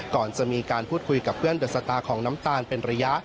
ก่อนจะมีการพูดคุยกับเพื่อนเดอะสตาร์ของน้ำตาลเป็นระยะ